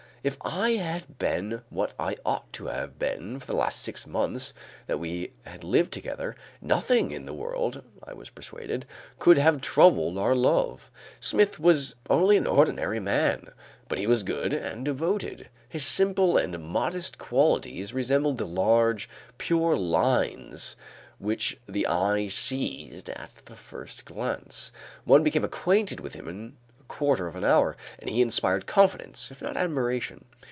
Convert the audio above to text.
If I had been what I ought to have been for the last six months that we had lived together, nothing in the world, I was persuaded, could have troubled our love. Smith was only an ordinary man, but he was good and devoted, his simple and modest qualities resembled the large, pure lines which the eye seized at the first glance; one became acquainted with him in a quarter of an hour, and he inspired confidence if not admiration.